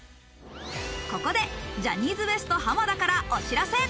ここでジャニーズＷＥＳＴ・濱田からお知らせ。